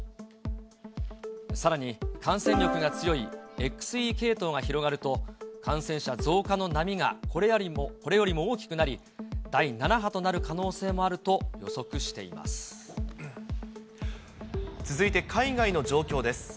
さらに、感染力が強いＸＥ系統が広がると、感染者増加の波がこれよりも大きくなり、第７波となる可能性もあ続いて海外の状況です。